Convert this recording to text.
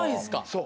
そう。